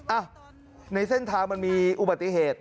อ่ะในเส้นทางมันมีอุบัติเหตุ